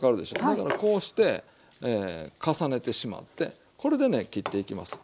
それならこうして重ねてしまってこれでね切っていきます。